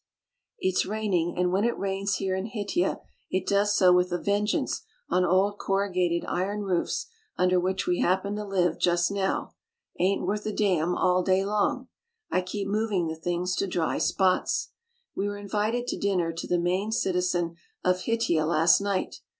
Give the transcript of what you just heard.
It's raining and when it rains here in Hitia it does so with a vengeance on old corrugated iron roofs under which we happen to live Just now — ain't worth a damn — all day long. I keep moving the things to dry spots. We were in vited to dinner to the main citizen of Hitia last night.